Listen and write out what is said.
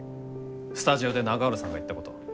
スタジオで永浦さんが言ったこと。